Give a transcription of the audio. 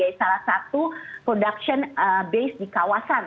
jadi ini adalah satu production base di kawasan